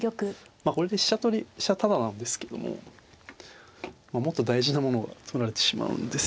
まあこれで飛車取り飛車タダなんですけどももっと大事なものが取られてしまうんですよね。